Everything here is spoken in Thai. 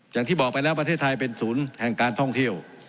อย่างที่บอกไปแล้วประเทศไทยเป็นศูนย์แห่งการท่องเที่ยว